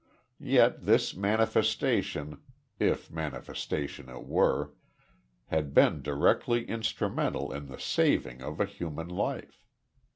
Yet this manifestation if manifestation it were had been directly instrumental in the saving of a human life.